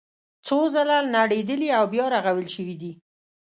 څو ځله نړېدلي او بیا رغول شوي دي.